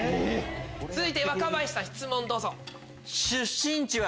続いて若林さん質問どうぞ。